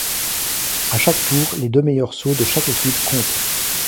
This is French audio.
À chaque tour, les deux meilleurs sauts de chaque équipe comptent.